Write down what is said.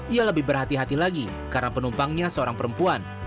ia lebih berhati hati lagi karena penumpangnya seorang perempuan